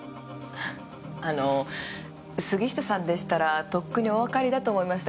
あの杉下さんでしたらとっくにおわかりだと思いましたけど。